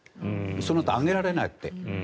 そのあと上げられなくて。